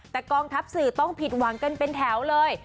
แต่กองทัพสื่อต้องผิดหวังกันเป็นแถวเลย